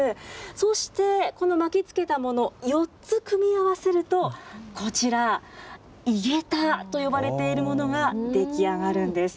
そして、この巻きつけたもの、４つ組み合わせると、こちら、井桁と呼ばれているものが出来上がるんです。